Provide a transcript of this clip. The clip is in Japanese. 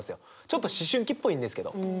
ちょっと思春期っぽいんですけど。